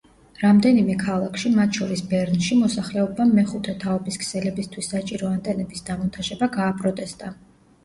რამდენიმე ქალაქში, მათ შორის ბერნში, მოსახლეობამ მეხუთე თაობის ქსელებისთვის საჭირო ანტენების დამონტაჟება გააპროტესტა.